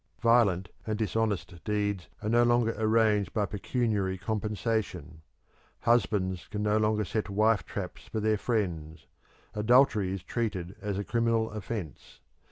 Violent and dishonest deeds are no longer arranged by pecuniary compensation. Husbands can no longer set wife traps for their friends; adultery is treated as a criminal offence.